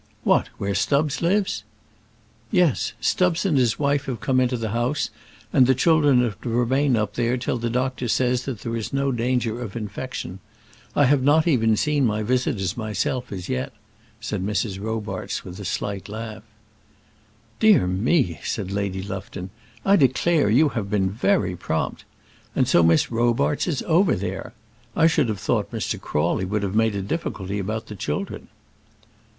"What, where Stubbs lives?" "Yes; Stubbs and his wife have come into the house, and the children are to remain up there till the doctor says that there is no danger of infection. I have not even seen my visitors myself as yet," said Mrs. Robarts with a slight laugh. "Dear me!" said Lady Lufton. "I declare you have been very prompt. And so Miss Robarts is over there! I should have thought Mr. Crawley would have made a difficulty about the children."